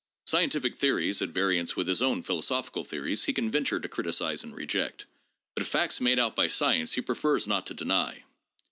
Scientific theories at variance with his own philosophical theories he can venture to criticise and reject, but facts made out by sci ence he prefers not to deny.